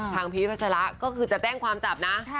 พีชพัชระก็คือจะแจ้งความจับนะ